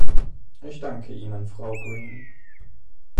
Ich danke Ihnen, Frau Green.